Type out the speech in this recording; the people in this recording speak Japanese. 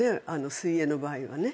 水泳の場合は。